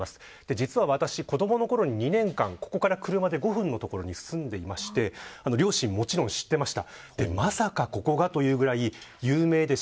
実は私、子どものころに２年間ここから車で５分の所に住んでいまして両親、もちろん知っていました。